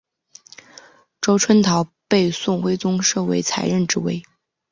周春桃被宋徽宗授为才人之位。